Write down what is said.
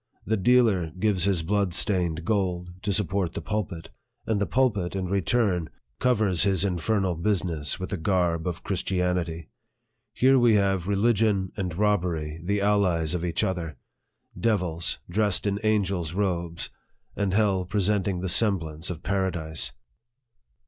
The dealer gives his blood stained gold to support the pulpit, and the pul pit, in return, covers his infernal business with the garb of Christianity. Here we have religion and robbery the allies of each other devils dressed in angels' robes, and hell presenting the semblance of paradise.